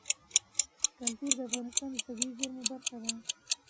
کلتور د افغانستان د طبیعي زیرمو برخه ده.